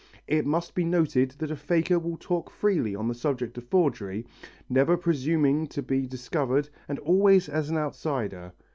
It must be noted that a faker will talk freely on the subject of forgery, never presuming to be discovered and always as an outsider.